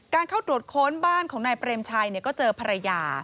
เข้าตรวจค้นบ้านของนายเปรมชัยก็เจอภรรยา